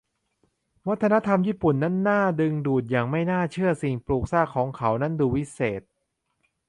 วัฒนธรรมญี่ปุ่นนั้นน่าดึงดูดอย่างไม่น่าเชื่อ สิ่งปลูกสร้างของพวกเขานั้นดูวิเศษ